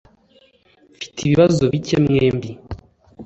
Mfite ibibazo bike mwembi.